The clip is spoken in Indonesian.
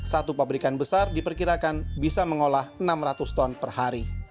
satu pabrikan besar diperkirakan bisa mengolah enam ratus ton per hari